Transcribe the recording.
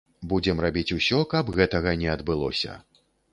Будзем рабіць усё, каб гэтага не адбылося.